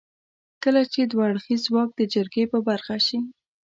کله چې دوه اړخيز واک د جرګې په برخه شي.